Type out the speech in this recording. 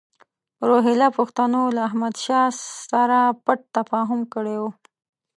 روهیله پښتنو له احمدشاه سره پټ تفاهم کړی وو.